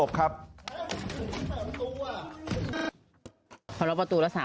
แล้วก็ล็อกประตูไว้นะครับเพื่อนลงไปที่ร้านค้า